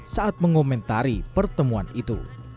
saat mengomentari pertemuan itu